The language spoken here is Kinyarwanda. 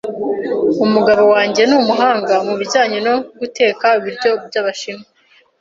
Umugabo wanjye ni umuhanga mubijyanye no guteka ibiryo byabashinwa.